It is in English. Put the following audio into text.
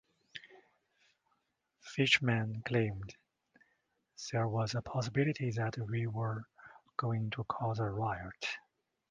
Fichman claimed "there was the possibility that we were going to cause a riot".